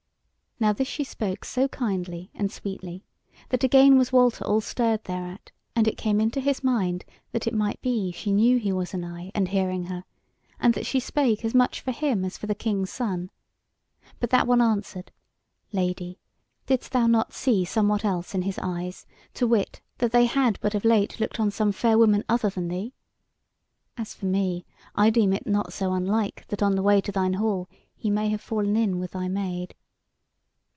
Now this she spoke so kindly and sweetly, that again was Walter all stirred thereat; and it came into his mind that it might be she knew he was anigh and hearing her, and that she spake as much for him as for the King's Son: but that one answered: "Lady, didst thou not see somewhat else in his eyes, to wit, that they had but of late looked on some fair woman other than thee? As for me, I deem it not so unlike that on the way to thine hall he may have fallen in with thy Maid."